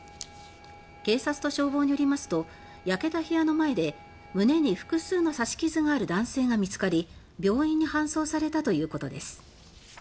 警察と消防によりますと焼けた部屋の前で胸に複数の刺し傷がある男性が見つかり病院に搬送されたということです。